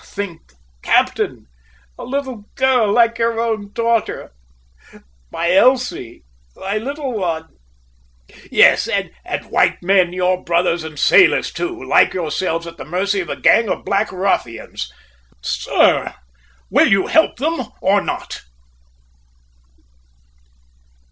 Think, captain, a little girl like your own daughter my Elsie, my little one! Yes, and white men, your brothers, and sailors, too, like yourselves, at the mercy of a gang of black ruffians! Sir, will you help them or not?"